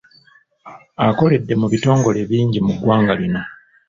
Akoledde mu bitongole bingi mu ggwanga lino.